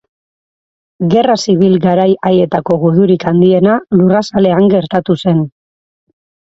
Gerra zibil garai haietako gudurik handiena lurrazalean gertatu zen.